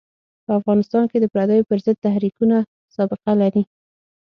په افغانستان کې د پرديو پر ضد تحریکونه سابقه لري.